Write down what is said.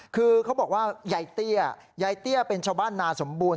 คือเขาบอกว่ายายเตี้ยยายเตี้ยเป็นชาวบ้านนาสมบูรณ